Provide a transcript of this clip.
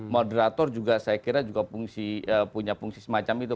moderator juga saya kira juga punya fungsi semacam itu